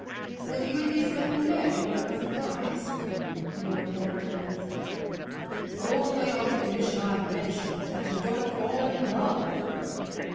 "Will you at least let me know when your cousin arrives?" Lord Warburton asked. "Only on the condition I've mentioned that you don't fall in love with her!"